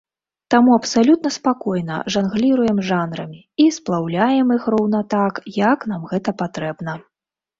Таму абсалютна спакойна жангліруем жанрамі і сплаўляем іх роўна так, як нам гэта патрэбна.